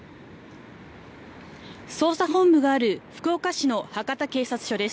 捜査本部がある福岡市の博多警察署です。